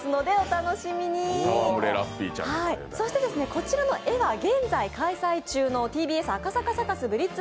こちらの絵は現在開催中のＴＢＳ赤坂サカスＢＬＩＴＺ